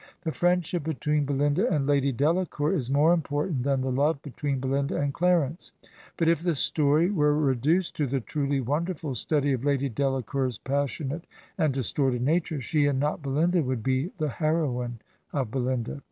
The friendship between Belinda and Lady Delacour is more importeint than the love between Be linda and Clarence; but if the story were reduced to 29 Digitized by VjOOQIC HEROINES OF FICTION the truly wonderful study of Lady Delacour'a passionate and distorted nature, she and not Belinda would be the heroine of ^' Belinda."